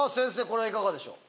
これはいかがでしょう？